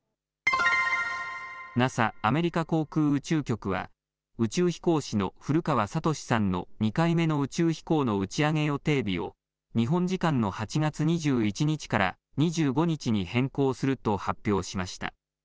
ＮＡＳＡ・アメリカ航空宇宙局は宇宙飛行士の古川聡さんの２回目の宇宙飛行の打ち上げ予定日を日本時間の８月２１日から２５日に変更すると発表しました。